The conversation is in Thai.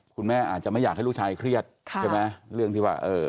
คุณแม่อาจจะไม่อยากให้ลูกชายเครียดใช่ไหมเรื่องที่ว่าเออ